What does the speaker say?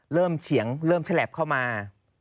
เฉียงเริ่มฉลับเข้ามา